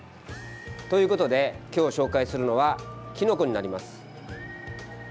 ということで、今日紹介するのはきのこになります。